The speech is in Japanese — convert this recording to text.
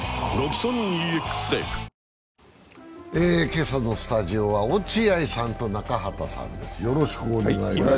今朝のスタジオは落合さんと中畑さんです。